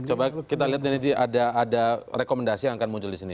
coba kita lihat dari sini ada rekomendasi yang akan muncul di sini